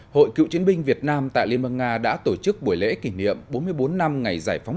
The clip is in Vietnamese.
hội cựu chiến binh việt nam tại liên bang nga đã tổ chức buổi lễ kỷ niệm bốn mươi bốn năm ngày giải phóng